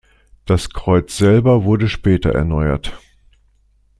Das Kreuz selber wurde später erneuert.